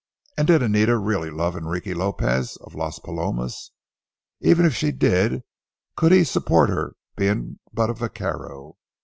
And did Anita really love Enrique Lopez of Las Palomas? Even if she did, could he support her, being but a vaquero?